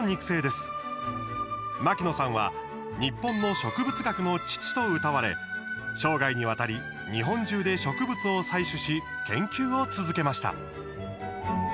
牧野さんは日本の植物学の父とうたわれ生涯にわたり日本中で植物を採取し研究を続けました。